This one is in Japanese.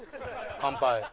乾杯。